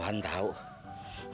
eh keren tuh